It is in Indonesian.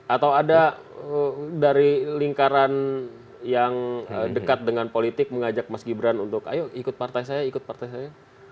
atau ada dari lingkaran yang dekat dengan politik mengajak mas gibran untuk ayo ikut partai saya ikut partai saya